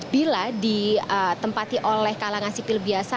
bila ditempati oleh kalangan sipil biasa